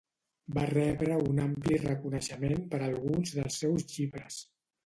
Va rebre un ampli reconeixement per alguns dels seus llibres.